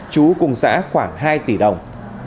chú cùng giã khoảng hai tỷ đồng